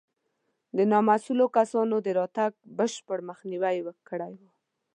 د نامسوولو کسانو د راتګ بشپړ مخنیوی یې کړی و.